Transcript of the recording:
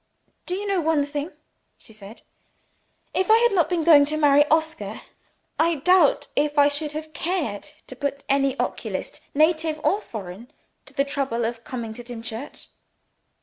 "Do you know one thing?" she said. "If I had not been going to be married to Oscar, I doubt if I should have cared to put any oculist, native or foreign, to the trouble of coming to Dimchurch."